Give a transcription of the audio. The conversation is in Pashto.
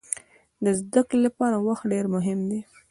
د زده کړې لپاره وخت ډېر مهم دی.